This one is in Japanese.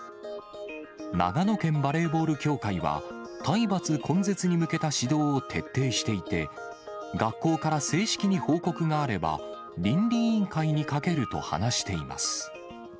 長野県バレーボール協会は、体罰根絶に向けた指導を徹底していて、学校から正式に報告があれば、倫理委員会にかけると話しています。